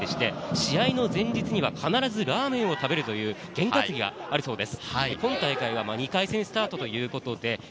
試合の前日には必ずラーメンを食べるというげん担ぎがあるそうです。